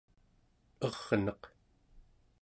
erneq